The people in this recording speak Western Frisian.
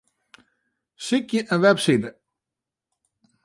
Sykje in webside.